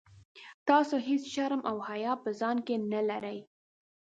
تاسي هیڅ شرم او حیا په ځان کي نه لرئ.